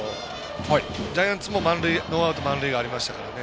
ジャイアンツもノーアウト満塁がありましたからね。